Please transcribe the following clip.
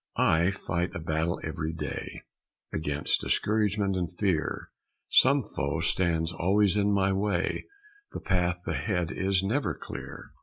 I fight a battle every day Against discouragement and fear; Some foe stands always in my way, The path ahead is never clear!